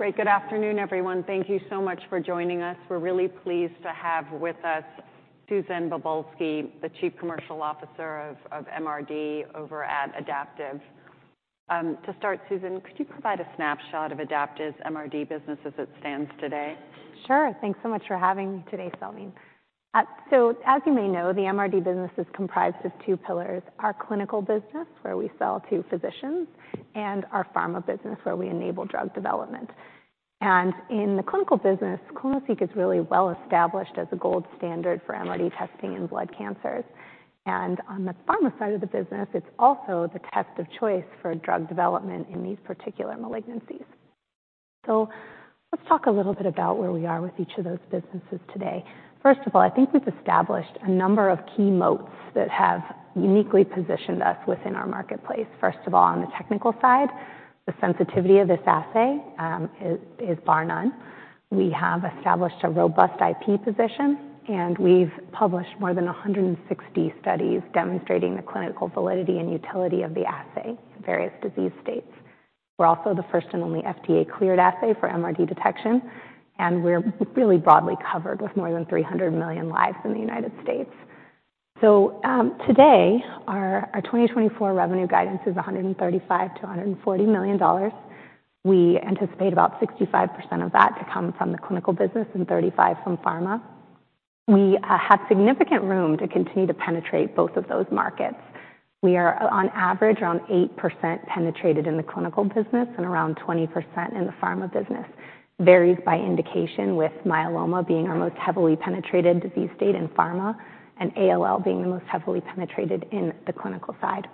Great. Good afternoon, everyone. Thank you so much for joining us. We're really pleased to have with us Susan Bobulsky, the Chief Commercial Officer of MRD over at Adaptive. To start, Susan, could you provide a snapshot of Adaptive's MRD business as it stands today? Sure. Thanks so much for having me today, Salveen. So as you may know, the MRD business is comprised of two pillars; our clinical business, where we sell to physicians, and our pharma business, where we enable drug development. And in the clinical business, clonoSEQ is really well established as a gold standard for MRD testing in blood cancers. And on the pharma side of the business, it's also the test of choice for drug development in these particular malignancies. So let's talk a little bit about where we are with each of those businesses today. First of all, I think we've established a number of key moats that have uniquely positioned us within our marketplace. First of all, on the technical side, the sensitivity of this assay is bar none. We have established a robust IP position, and we've published more than 160 studies demonstrating the clinical validity and utility of the assay in various disease states. We're also the first and only FDA-cleared assay for MRD detection, and we're really broadly covered with more than 300 million lives in the United States. So, today, our 2024 revenue guidance is $135 million-$140 million. We anticipate about 65% of that to come from the clinical business and 35% from pharma. We have significant room to continue to penetrate both of those markets. We are, on average, around 8% penetrated in the clinical business and around 20% in the pharma business. Varies by indication, with myeloma being our most heavily penetrated disease state in pharma, and ALL being the most heavily penetrated in the clinical side.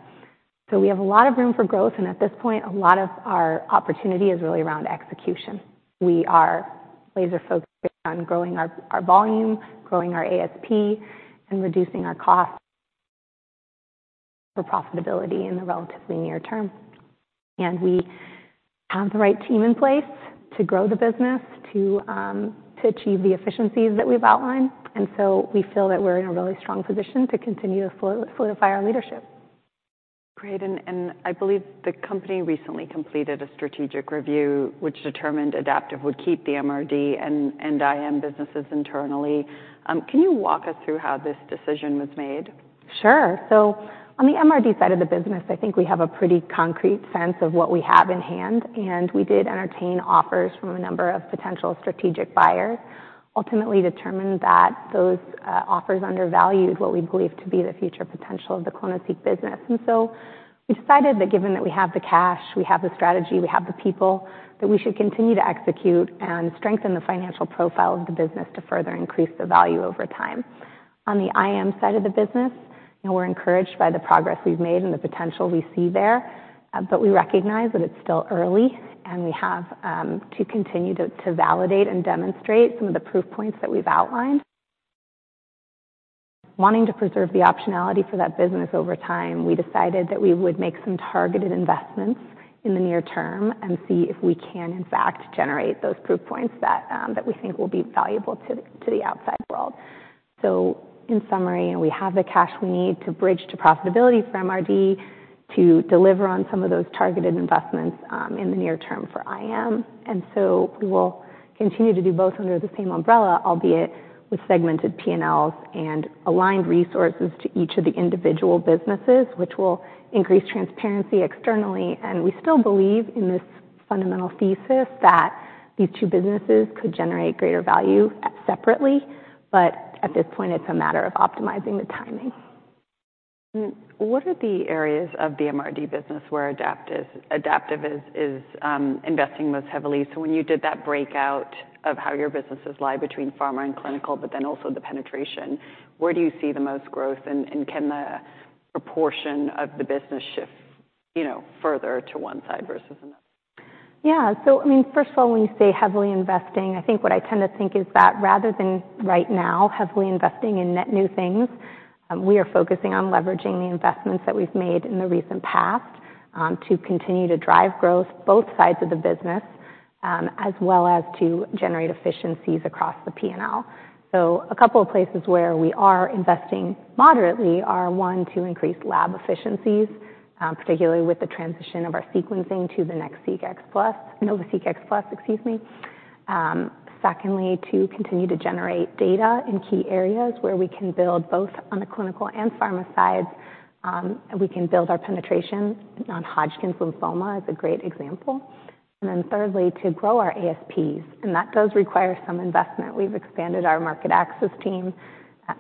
So we have a lot of room for growth, and at this point, a lot of our opportunity is really around execution. We are laser-focused on growing our volume, growing our ASP, and reducing our costs for profitability in the relatively near term. And we have the right team in place to grow the business, to achieve the efficiencies that we've outlined, and so we feel that we're in a really strong position to continue to solidify our leadership. Great, and I believe the company recently completed a strategic review, which determined Adaptive would keep the MRD and IM businesses internally. Can you walk us through how this decision was made? Sure. So on the MRD side of the business, I think we have a pretty concrete sense of what we have in hand, and we did entertain offers from a number of potential strategic buyers. Ultimately determined that those offers undervalued what we believe to be the future potential of the clonoSEQ business. And so we decided that given that we have the cash, we have the strategy, we have the people, that we should continue to execute and strengthen the financial profile of the business to further increase the value over time. On the IM side of the business, you know, we're encouraged by the progress we've made and the potential we see there, but we recognize that it's still early, and we have to continue to validate and demonstrate some of the proof points that we've outlined. Wanting to preserve the optionality for that business over time, we decided that we would make some targeted investments in the near term and see if we can, in fact, generate those proof points that, that we think will be valuable to the, to the outside world. So in summary, we have the cash we need to bridge to profitability for MRD to deliver on some of those targeted investments, in the near term for IM. And so we will continue to do both under the same umbrella, albeit with segmented P&Ls and aligned resources to each of the individual businesses, which will increase transparency externally. And we still believe in this fundamental thesis that these two businesses could generate greater value separately, but at this point, it's a matter of optimizing the timing. Hmm. What are the areas of the MRD business where Adaptive is investing most heavily? So when you did that breakout of how your businesses lie between pharma and clinical, but then also the penetration, where do you see the most growth, and can the proportion of the business shift, you know, further to one side versus another? Yeah. So, I mean, first of all, when you say heavily investing, I think what I tend to think is that rather than right now heavily investing in net new things, we are focusing on leveraging the investments that we've made in the recent past, to continue to drive growth, both sides of the business, as well as to generate efficiencies across the P&L. So a couple of places where we are investing moderately are, one, to increase lab efficiencies, particularly with the transition of our sequencing to the NextSeq X Plus, NovaSeq X Plus, excuse me. Secondly, to continue to generate data in key areas where we can build both on the clinical and pharma sides, we can build our penetration on Hodgkin's lymphoma is a great example. And then thirdly, to grow our ASPs, and that does require some investment. We've expanded our market access team,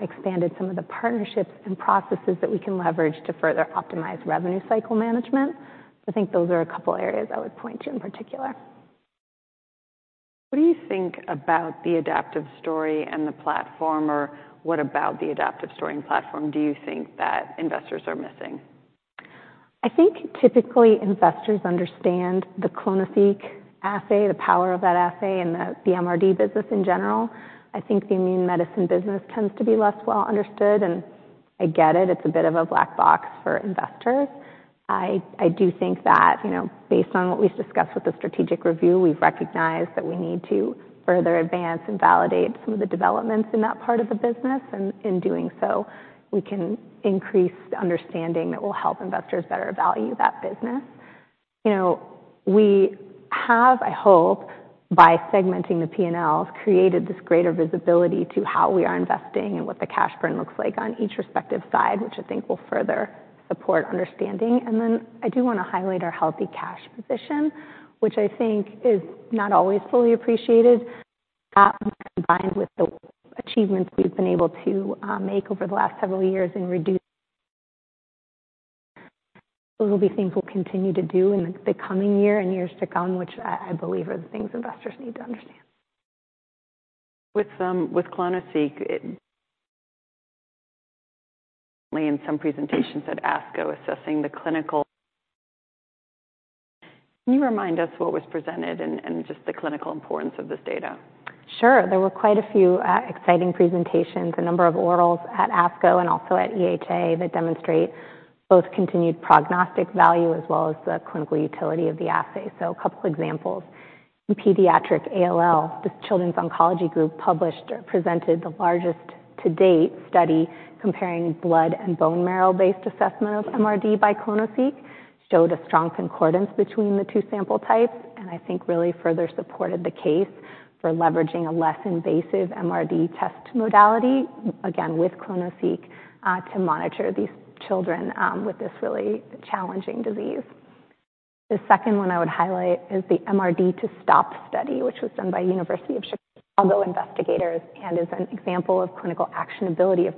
expanded some of the partnerships and processes that we can leverage to further optimize revenue cycle management. I think those are a couple of areas I would point to in particular. What do you think about the Adaptive story and the platform, or what about the Adaptive story and platform do you think that investors are missing? I think typically investors understand the clonoSEQ assay, the power of that assay, and the MRD business in general. I think the immune medicine business tends to be less well understood, and I get it: it's a bit of a black box for investors. I do think that, you know, based on what we've discussed with the strategic review, we've recognized that we need to further advance and validate some of the developments in that part of the business, and in doing so, we can increase the understanding that will help investors better value that business. You know, we have, I hope, by segmenting the P&Ls, created this greater visibility to how we are investing and what the cash burn looks like on each respective side, which I think will further support understanding. And then I do want to highlight our healthy cash position, which I think is not always fully appreciated. That, combined with the achievements we've been able to make over the last several years in reducing, those will be things we'll continue to do in the coming year and years to come, which I believe are the things investors need to understand. With clonoSEQ, in some presentations at ASCO assessing the clinical. Can you remind us what was presented and just the clinical importance of this data? Sure. There were quite a few exciting presentations, a number of orals at ASCO and also at EHA, that demonstrate both continued prognostic value as well as the clinical utility of the assay. So a couple examples: in pediatric ALL, the Children's Oncology Group published or presented the largest to-date study comparing blood and bone marrow-based assessment of MRD by clonoSEQ, showed a strong concordance between the two sample types, and I think really further supported the case for leveraging a less invasive MRD test modality, again, with clonoSEQ, to monitor these children with this really challenging disease. The second one I would highlight is the MRD2STOP study, which was done by University of Chicago investigators, and is an example of clinical actionability of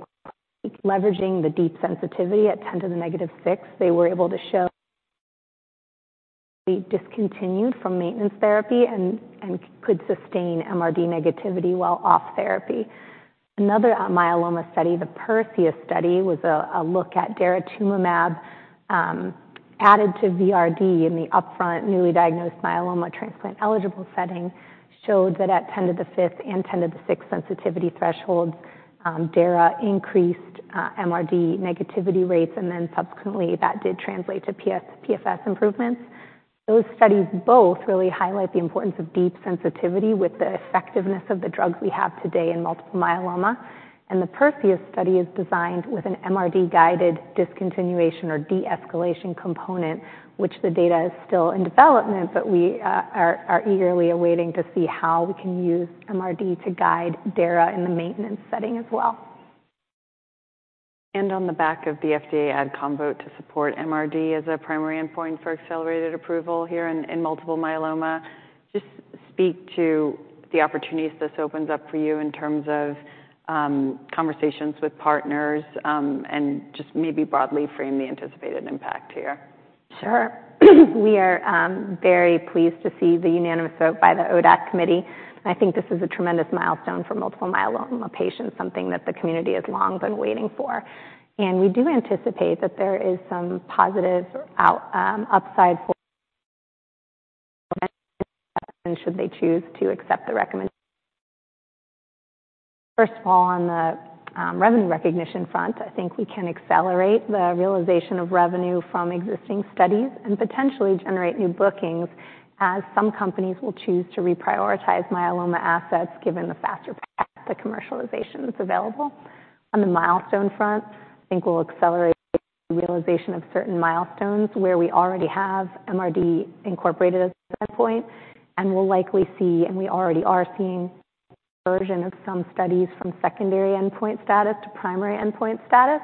leveraging the deep sensitivity at 10^-6. They were able to show we discontinued from maintenance therapy and could sustain MRD negativity while off therapy. Another myeloma study, the PERSEUS study, was a look at daratumumab added to VRd in the upfront newly diagnosed myeloma transplant-eligible setting, showed that at 10^5 and 10^6 sensitivity thresholds, dara increased MRD negativity rates, and then subsequently, that did translate to PFS improvements. Those studies both really highlight the importance of deep sensitivity with the effectiveness of the drugs we have today in multiple myeloma. The PERSEUS study is designed with an MRD-guided discontinuation or de-escalation component, which the data is still in development, but we are eagerly awaiting to see how we can use MRD to guide dara in the maintenance setting as well. On the back of the FDA Adcom vote to support MRD as a primary endpoint for accelerated approval here in multiple myeloma, just speak to the opportunities this opens up for you in terms of conversations with partners, and just maybe broadly frame the anticipated impact here. Sure. We are very pleased to see the unanimous vote by the ODAC committee. I think this is a tremendous milestone for multiple myeloma patients, something that the community has long been waiting for. We do anticipate that there is some positive upside for, should they choose to accept the recommendation. First of all, on the revenue recognition front, I think we can accelerate the realization of revenue from existing studies and potentially generate new bookings, as some companies will choose to reprioritize myeloma assets, given the faster path to commercialization that's available. On the milestone front, I think we'll accelerate the realization of certain milestones where we already have MRD incorporated as an endpoint, and we'll likely see, and we already are seeing, version of some studies from secondary endpoint status to primary endpoint status.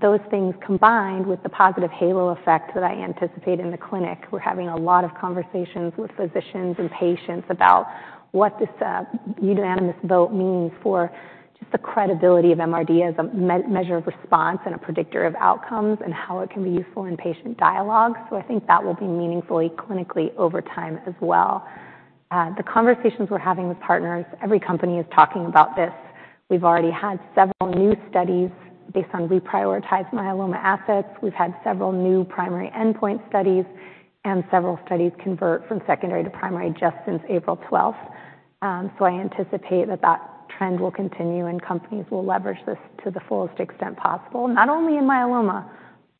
Those things, combined with the positive halo effect that I anticipate in the clinic, we're having a lot of conversations with physicians and patients about what this unanimous vote means for just the credibility of MRD as a measure of response and a predictor of outcomes, and how it can be useful in patient dialogue. So I think that will be meaningfully clinically over time as well. The conversations we're having with partners, every company is talking about this. We've already had several new studies based on reprioritized myeloma assets. We've had several new primary endpoint studies, and several studies convert from secondary to primary just since April 12th. So I anticipate that that trend will continue, and companies will leverage this to the fullest extent possible, not only in myeloma,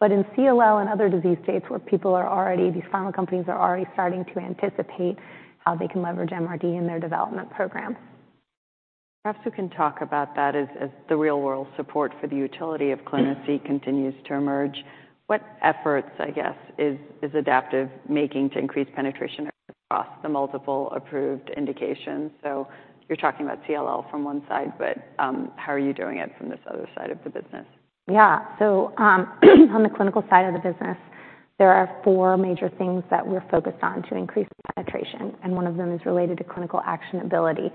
but in CLL and other disease states, where people are already... These pharma companies are already starting to anticipate how they can leverage MRD in their development programs. Perhaps you can talk about that as the real-world support for the utility of clonoSEQ continues to emerge. What efforts, I guess, is Adaptive making to increase penetration across the multiple approved indications? So you're talking about CLL from one side, but how are you doing it from this other side of the business? Yeah. On the clinical side of the business, there are four major things that we're focused on to increase penetration, and one of them is related to clinical actionability.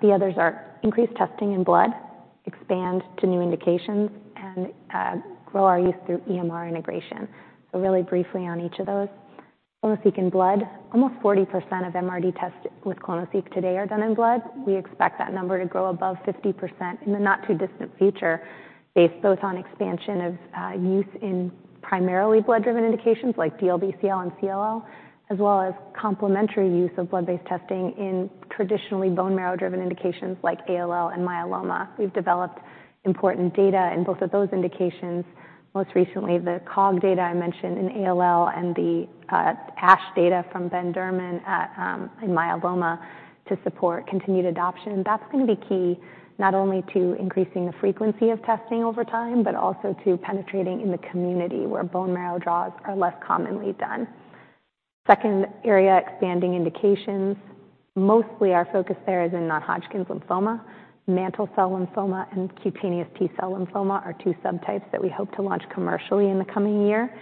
The others are increased testing in blood, expand to new indications, and grow our use through EMR integration. So really briefly on each of those, clonoSEQ in blood, almost 40% of MRD tests with clonoSEQ today are done in blood. We expect that number to grow above 50% in the not-too-distant future, based both on expansion of use in primarily blood-driven indications like DLBCL and CLL, as well as complementary use of blood-based testing in traditionally bone marrow-driven indications like ALL and myeloma. We've developed important data in both of those indications, most recently, the COG data I mentioned in ALL, and the ASH data from Ben Derman at, in myeloma, to support continued adoption. That's going to be key not only to increasing the frequency of testing over time, but also to penetrating in the community where bone marrow draws are less commonly done. Second area, expanding indications. Mostly our focus there is in non-Hodgkin's lymphoma, mantle cell lymphoma, and cutaneous T-cell lymphoma are two subtypes that we hope to launch commercially in the coming year,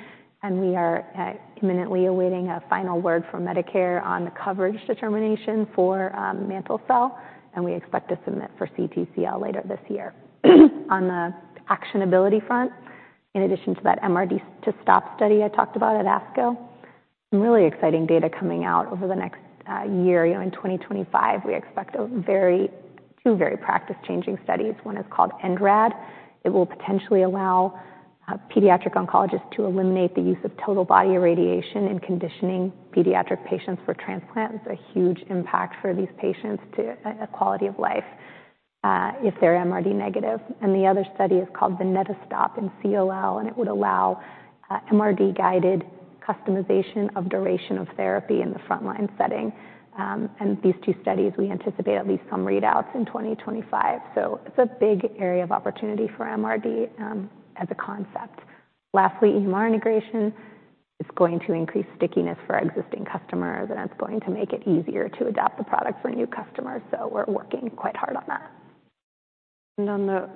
and we are imminently awaiting a final word from Medicare on the coverage determination for mantle cell, and we expect to submit for CTCL later this year. On the actionability front, in addition to that MRD to stop study I talked about at ASCO, some really exciting data coming out over the next year. You know, in 2025, we expect two very practice-changing studies. One is called EndRAD. It will potentially allow pediatric oncologists to eliminate the use of total body irradiation in conditioning pediatric patients for transplant. It's a huge impact for these patients to their quality of life if they're MRD negative. And the other study is called the VENETOSTOP in CLL, and it would allow MRD-guided customization of duration of therapy in the frontline setting. And these two studies, we anticipate at least some readouts in 2025. So it's a big area of opportunity for MRD as a concept. Lastly, EMR integration is going to increase stickiness for our existing customers, and it's going to make it easier to adapt the product for new customers, so we're working quite hard on that. On the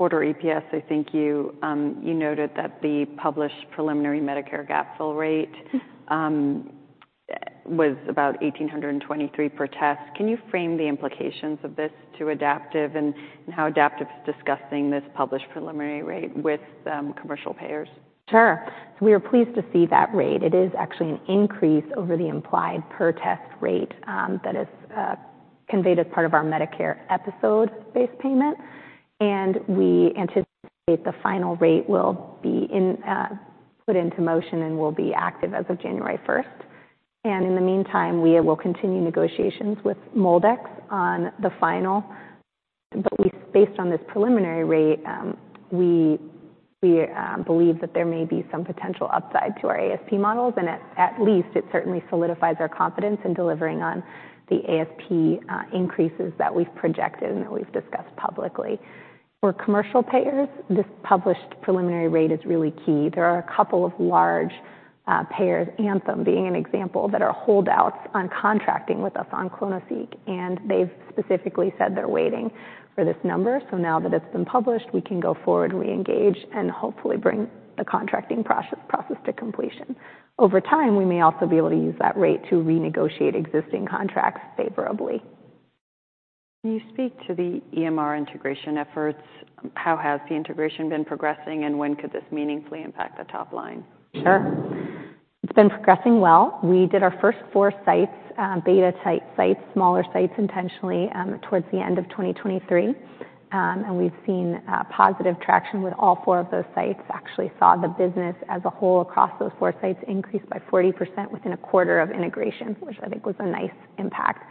Q1 EPS, I think you noted that the published preliminary Medicare gap fill rate was about $1,823 per test. Can you frame the implications of this to Adaptive and how Adaptive's discussing this published preliminary rate with commercial payers? Sure. So we are pleased to see that rate. It is actually an increase over the implied per test rate, that is, conveyed as part of our Medicare episode-based payment. And we anticipate the final rate will be in, put into motion and will be active as of January 1st. And in the meantime, we will continue negotiations with MolDX on the final. But we based on this preliminary rate, we believe that there may be some potential upside to our ASP models, and at least it certainly solidifies our confidence in delivering on the ASP, increases that we've projected and that we've discussed publicly. For commercial payers, this published preliminary rate is really key. There are a couple of large payers, Anthem being an example, that are holdouts on contracting with us on clonoSEQ, and they've specifically said they're waiting for this number. So now that it's been published, we can go forward, reengage, and hopefully bring the contracting process, process to completion. Over time, we may also be able to use that rate to renegotiate existing contracts favorably. Can you speak to the EMR integration efforts? How has the integration been progressing, and when could this meaningfully impact the top line? Sure. It's been progressing well. We did our first four sites, beta type sites, smaller sites intentionally, towards the end of 2023. And we've seen positive traction with all four of those sites. Actually saw the business as a whole across those four sites increase by 40% within a quarter of integration, which I think was a nice impact.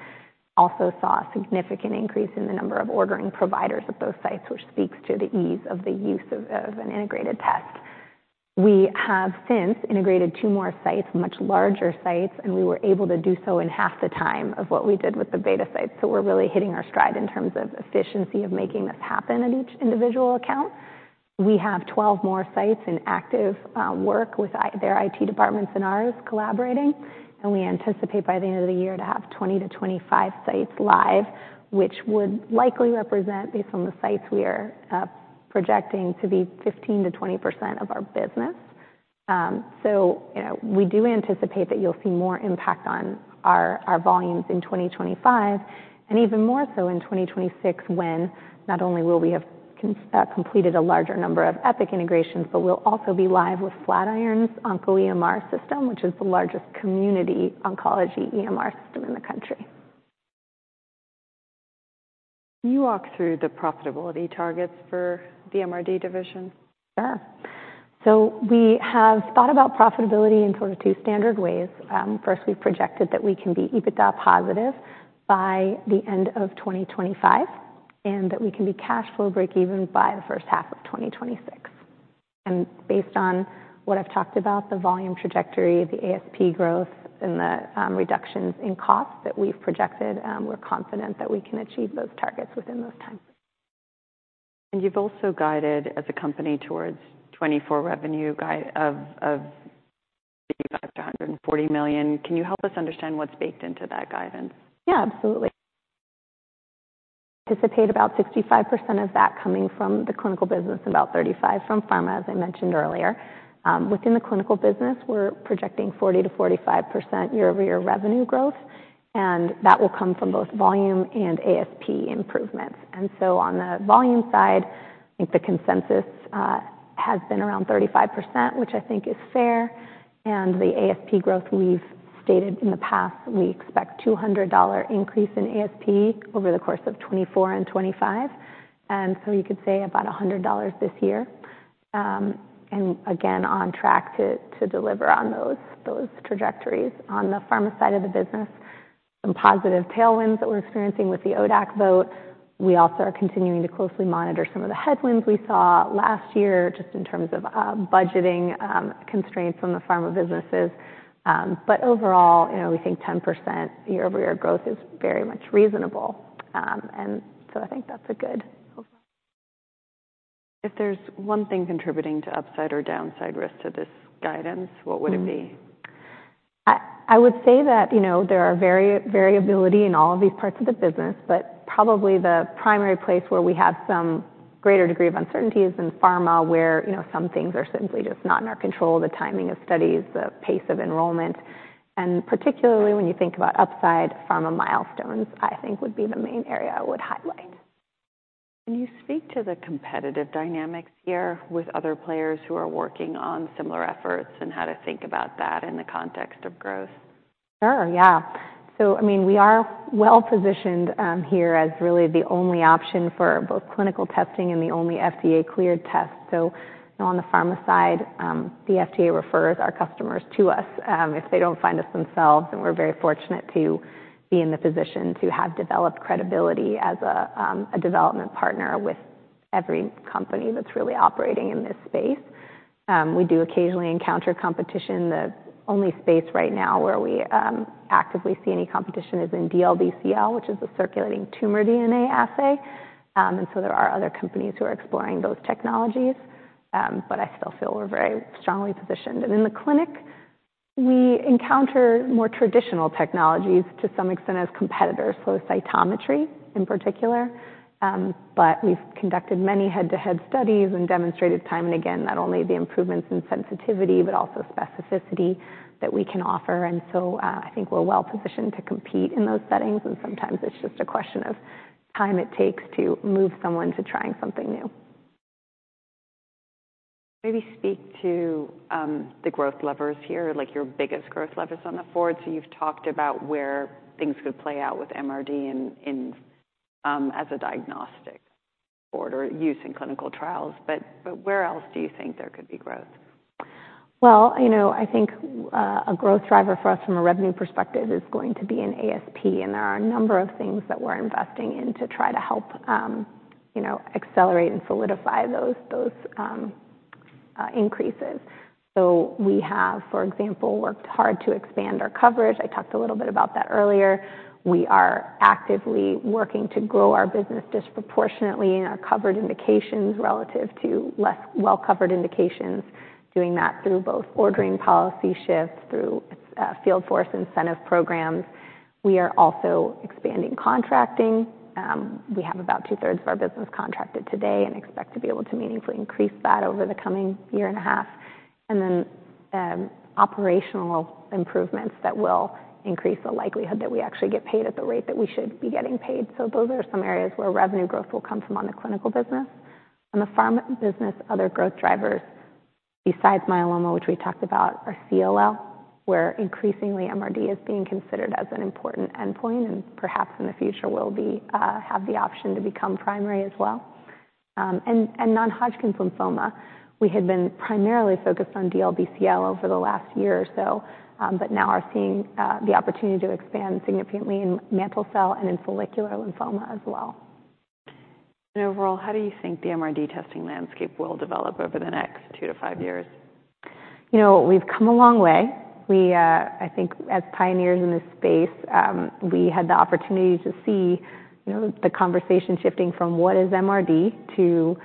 Also saw a significant increase in the number of ordering providers at those sites, which speaks to the ease of the use of an integrated test. We have since integrated two more sites, much larger sites, and we were able to do so in half the time of what we did with the beta sites. So we're really hitting our stride in terms of efficiency of making this happen at each individual account. We have 12 more sites in active work with their IT departments and ours collaborating, and we anticipate by the end of the year to have 20-25 sites live, which would likely represent, based on the sites we are projecting, 15%-20% of our business. So, you know, we do anticipate that you'll see more impact on our volumes in 2025, and even more so in 2026, when not only will we have completed a larger number of Epic integrations, but we'll also be live with Flatiron's OncoEMR system, which is the largest community oncology EMR system in the country. Can you walk through the profitability targets for the MRD division? Sure. So we have thought about profitability in sort of two standard ways. First, we've projected that we can be EBITDA positive by the end of 2025, and that we can be cash flow breakeven by the first half of 2026. And based on what I've talked about, the volume trajectory, the ASP growth, and the reductions in costs that we've projected, we're confident that we can achieve those targets within those timeframes. You've also guided as a company towards 2024 revenue guide of, of $55 million-$140 million. Can you help us understand what's baked into that guidance? Yeah, absolutely. Anticipate about 65% of that coming from the clinical business, about 35 from pharma, as I mentioned earlier. Within the clinical business, we're projecting 40%-45% year-over-year revenue growth, and that will come from both volume and ASP improvements. And so on the volume side, I think the consensus has been around 35%, which I think is fair, and the ASP growth, we've stated in the past, we expect $200 increase in ASP over the course of 2024 and 2025. And so you could say about $100 this year. And again, on track to, to deliver on those, those trajectories. On the pharma side of the business, some positive tailwinds that we're experiencing with the ODAC vote. We also are continuing to closely monitor some of the headwinds we saw last year, just in terms of budgeting constraints from the pharma businesses. But overall, you know, we think 10% year-over-year growth is very much reasonable. And so I think that's a good overall- If there's one thing contributing to upside or downside risk to this guidance, what would it be? I would say that, you know, there is variability in all of these parts of the business, but probably the primary place where we have some greater degree of uncertainty is in pharma, where, you know, some things are simply just not in our control: the timing of studies, the pace of enrollment. And particularly when you think about upside, pharma milestones, I think, would be the main area I would highlight. Can you speak to the competitive dynamics here with other players who are working on similar efforts, and how to think about that in the context of growth? Sure, yeah. So, I mean, we are well-positioned here as really the only option for both clinical testing and the only FDA-cleared test. So on the pharma side, the FDA refers our customers to us if they don't find us themselves, and we're very fortunate to be in the position to have developed credibility as a development partner with every company that's really operating in this space. We do occasionally encounter competition. The only space right now where we actively see any competition is in DLBCL, which is a circulating tumor DNA assay. And so there are other companies who are exploring those technologies, but I still feel we're very strongly positioned. And in the clinic, we encounter more traditional technologies to some extent as competitors, so cytometry, in particular. But we've conducted many head-to-head studies and demonstrated time and again, not only the improvements in sensitivity, but also specificity that we can offer. And so, I think we're well-positioned to compete in those settings, and sometimes it's just a question of time it takes to move someone to trying something new. Maybe speak to the growth levers here, like your biggest growth levers going forward. So you've talked about where things could play out with MRD in as a diagnostic or use in clinical trials, but where else do you think there could be growth? Well, you know, I think a growth driver for us from a revenue perspective is going to be in ASP, and there are a number of things that we're investing in to try to help you know, accelerate and solidify those increases. So we have, for example, worked hard to expand our coverage. I talked a little bit about that earlier. We are actively working to grow our business disproportionately in our covered indications relative to less well-covered indications, doing that through both ordering policy shifts, through field force incentive programs. We are also expanding contracting. We have about two-thirds of our business contracted today and expect to be able to meaningfully increase that over the coming year and a half. And then, operational improvements that will increase the likelihood that we actually get paid at the rate that we should be getting paid. So those are some areas where revenue growth will come from on the clinical business. On the pharma business, other growth drivers, besides myeloma, which we talked about, are CLL, where increasingly MRD is being considered as an important endpoint, and perhaps in the future will be, have the option to become primary as well. And non-Hodgkin's lymphoma, we had been primarily focused on DLBCL over the last year or so, but now are seeing the opportunity to expand significantly in mantle cell lymphoma and in follicular lymphoma as well. Overall, how do you think the MRD testing landscape will develop over the next two to five years? You know, we've come a long way. We, I think as pioneers in this space, we had the opportunity to see, you know, the conversation shifting from what is MRD, to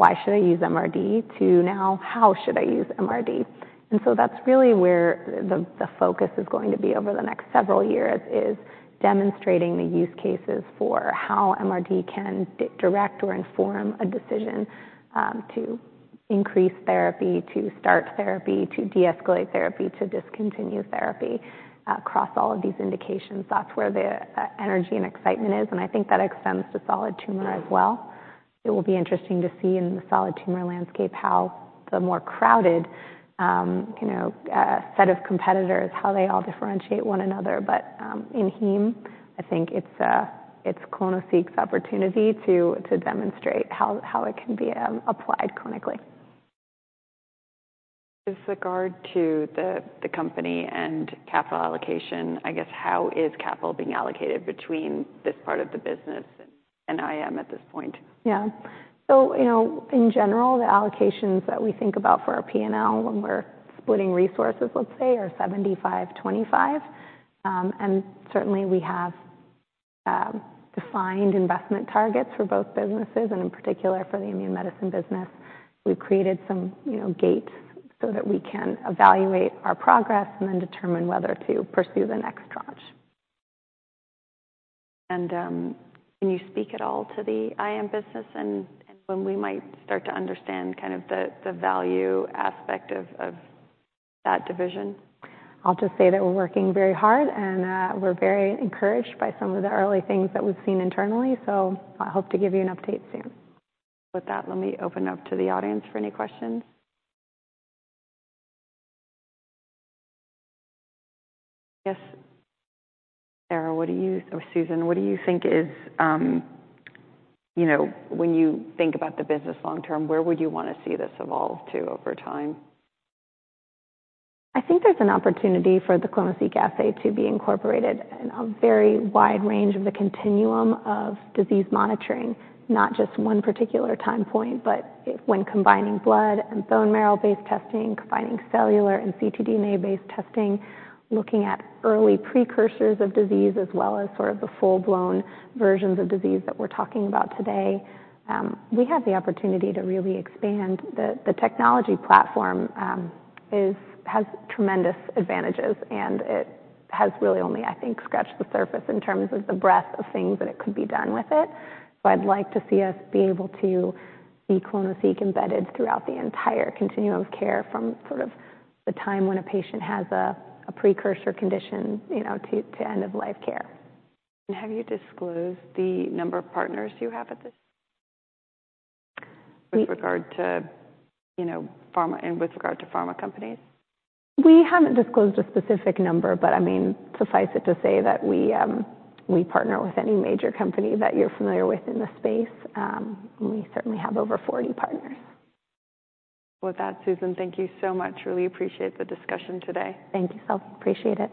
why should I use MRD, to now, how should I use MRD? And so that's really where the focus is going to be over the next several years, is demonstrating the use cases for how MRD can direct or inform a decision, to increase therapy, to start therapy, to deescalate therapy, to discontinue therapy across all of these indications. That's where the energy and excitement is, and I think that extends to solid tumor as well. It will be interesting to see in the solid tumor landscape how the more crowded, you know, set of competitors, how they all differentiate one another. But in heme, I think it's clonoSEQ's opportunity to demonstrate how it can be applied clinically. With regard to the company and capital allocation, I guess, how is capital being allocated between this part of the business and IM at this point? Yeah. So, you know, in general, the allocations that we think about for our P&L when we're splitting resources, let's say, are 75, 25. And certainly we have defined investment targets for both businesses, and in particular for the immune medicine business. We've created some, you know, gates so that we can evaluate our progress and then determine whether to pursue the next tranche. Can you speak at all to the IM business and when we might start to understand kind of the value aspect of that division? I'll just say that we're working very hard, and we're very encouraged by some of the early things that we've seen internally, so I hope to give you an update soon. With that, let me open up to the audience for any questions. Yes. Sarah, what do you... or Susan, what do you think is, you know, when you think about the business long term, where would you want to see this evolve to over time? I think there's an opportunity for the clonoSEQ assay to be incorporated in a very wide range of the continuum of disease monitoring, not just one particular time point, but when combining blood and bone marrow-based testing, combining cellular and ctDNA-based testing, looking at early precursors of disease, as well as sort of the full-blown versions of disease that we're talking about today. We have the opportunity to really expand. The technology platform has tremendous advantages, and it has really only, I think, scratched the surface in terms of the breadth of things that it could be done with it. So I'd like to see us be able to see clonoSEQ embedded throughout the entire continuum of care, from sort of the time when a patient has a precursor condition, you know, to end-of-life care. Have you disclosed the number of partners you have at this- We- with regard to, you know, pharma and with regard to pharma companies? We haven't disclosed a specific number, but I mean, suffice it to say that we, we partner with any major company that you're familiar with in this space. We certainly have over 40 partners. With that, Susan, thank you so much. Really appreciate the discussion today. Thank you. I appreciate it.